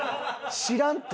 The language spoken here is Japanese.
知らんって！